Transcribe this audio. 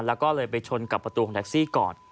แล้วก็เลยไปชนกับประตูของแท็กซี่ก่อน